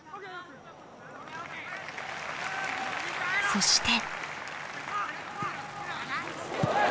そして。